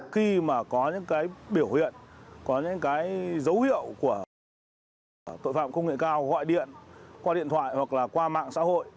khi mà có những cái biểu hiện có những cái dấu hiệu của tội phạm công nghệ cao gọi điện qua điện thoại hoặc là qua mạng xã hội